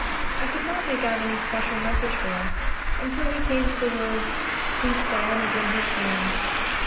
I could not make out any special message for us, until he came to the words, "Whose fan is in his hand."